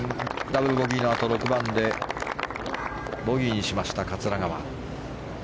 ダブルボギーのあと、６番でボギーにしました、桂川。